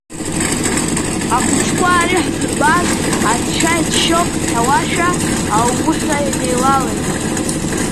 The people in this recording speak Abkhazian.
Ахәыҷқәа ари ҳзырбаз анцәа иџьшьоуп рҳәауашәа, аууҳәа инеилалеит.